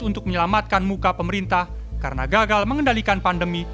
untuk menyelamatkan muka pemerintah karena gagal mengendalikan pandemi